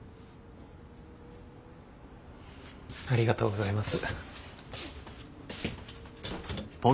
ありがとうございます。